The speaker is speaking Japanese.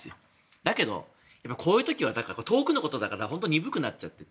だけど、こういう時は遠くのことだから鈍くなっちゃってて。